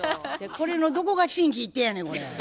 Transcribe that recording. これのどこが心機一転やねんこれ。